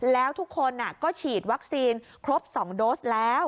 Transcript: แล้วทุกคนก็ฉีดวัคซีนครบ๒โดสแล้ว